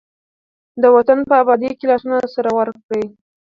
د وطن په ابادۍ کې لاسونه سره ورکړئ.